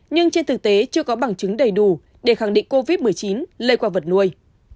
nhưng trên thực tế chưa có bằng chứng đầy đủ để khẳng định covid một mươi chín lây qua vật nuôi